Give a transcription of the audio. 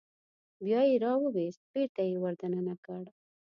بیا یې راوویست بېرته یې ور دننه کړ.